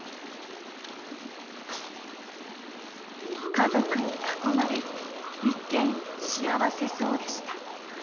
家族に囲まれ一見、幸せそうでした。